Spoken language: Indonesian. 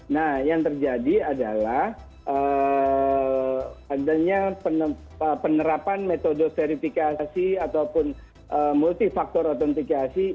nah yang terjadi adalah adanya penerapan metode verifikasi ataupun multifaktor autentikasi